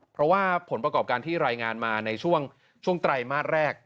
เพราะว่าผลประกอบการที่รายงานมาในช่วงไตรมาสแรก